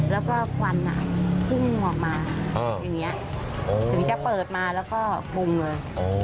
แล้วก็ต้องพุ่งออกมาถึงจะเปิดมาแล้วก็ปุ้งเลย